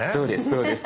そうです